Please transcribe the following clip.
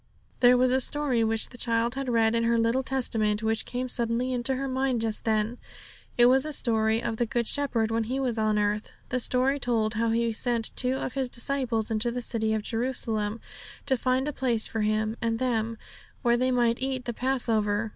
There was a story which the child had read in her little Testament, which came suddenly into her mind just then. It was a story of the Good Shepherd when He was on earth. The story told how He sent two of His disciples into the city of Jerusalem to find a place for Him and them, where they might eat the Passover.